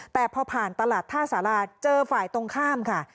แต่พอผ่านตลาดท่าสาราเจอฝ่ายตรงข้ามค่ะ